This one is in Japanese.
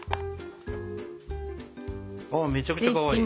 あっめちゃくちゃかわいい！